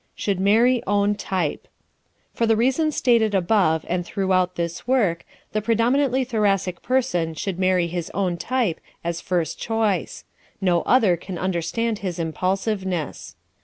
Should Marry Own Type ¶ For the reasons stated above and throughout this work, the predominantly Thoracic person should marry his own type as first choice. No other can understand his impulsiveness.